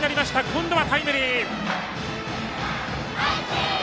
今度はタイムリー！